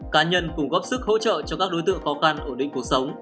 cá nhân cùng góp sức hỗ trợ cho các đối tượng khó khăn ổn định cuộc sống